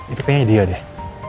itu kayaknya dia deh